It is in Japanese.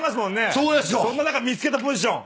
そんな中見つけたポジション。